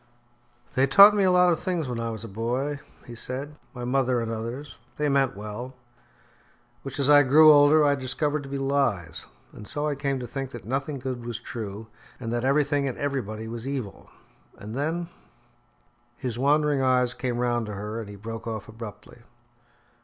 "They taught me a lot of things when I was a boy," he said, "my mother and others they meant well which as I grew older I discovered to be lies; and so I came to think that nothing good was true, and that everything and everybody was evil. And then " His wandering eyes came round to her and he broke off abruptly.